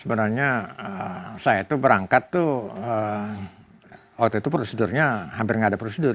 sebenarnya saya itu berangkat tuh waktu itu prosedurnya hampir nggak ada prosedur